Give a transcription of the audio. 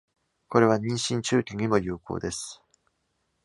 これは、妊娠中期にも有効です。